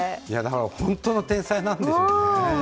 本当の天才なんでしょうね。